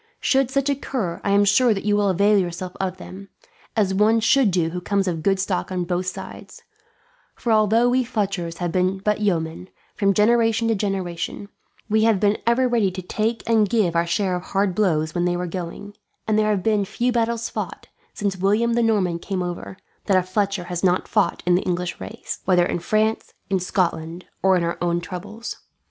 Should such occur, I am sure you will avail yourself of them, as one should do who comes of good stock on both sides; for although we Fletchers have been but yeomen, from generation to generation, we have been ever ready to take and give our share of hard blows when they were going; and there have been few battles fought, since William the Norman came over, that a Fletcher has not fought in the English ranks; whether in France, in Scotland, or in our own troubles.